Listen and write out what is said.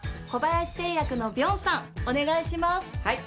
はい。